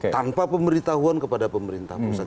tanpa pemberitahuan kepada pemerintah pusat